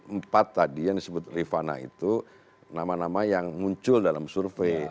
empat tadi yang disebut rifana itu nama nama yang muncul dalam survei